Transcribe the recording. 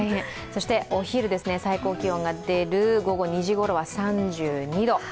そして、お昼、最高気温が出る２時ごろは３２度。